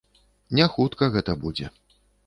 Не хутка гэта будзе.